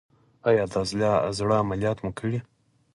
ایا د زړه عملیات مو کړی دی؟